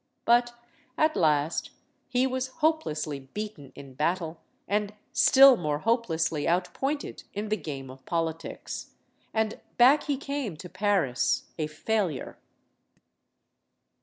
But at last he was hopelessly beaten in battle, and still more hopelessly outpointed in the game of politics. And back he came to Paris a failure.